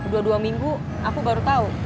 dua dua minggu aku baru tahu